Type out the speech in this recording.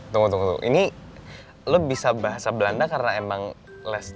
tunggu tunggu ini lo bisa bahasa belanda karena emang les